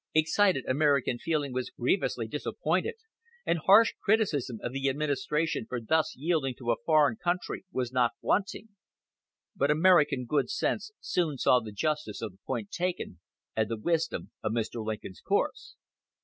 Excited American feeling was grievously disappointed, and harsh criticism of the Administration for thus yielding to a foreign country was not wanting; but American good sense soon saw the justice of the point taken and the wisdom of Mr. Lincoln's course.